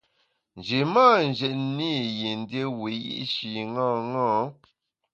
Nji mâ njètne i yin dié wiyi’shi ṅaṅâ.